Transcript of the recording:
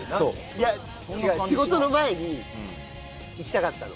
いや違う仕事の前に行きたかったの。